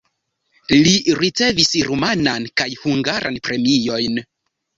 Li ricevis rumanan kaj hungaran premiojn.